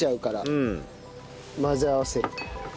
混ぜ合わせる。